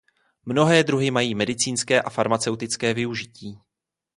Mnohé druhy mají medicínské a farmaceutické využití.